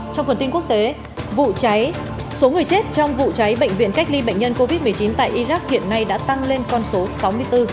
trong phần tin quốc tế vụ cháy số người chết trong vụ cháy bệnh viện cách ly bệnh nhân covid một mươi chín tại iraq hiện nay đã tăng lên con số sáu mươi bốn